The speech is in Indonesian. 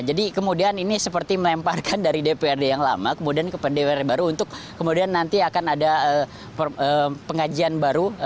jadi kemudian ini seperti melemparkan dari dprd yang lama kemudian ke dprd baru untuk kemudian nanti akan ada pengajian baru